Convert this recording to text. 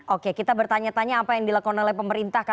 oke kita bertanya tanya apa yang dilakukan oleh pemerintah